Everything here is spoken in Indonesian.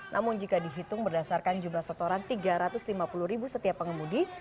namun jika dihitung berdasarkan jumlah setoran tiga ratus lima puluh ribu setiap pengemudi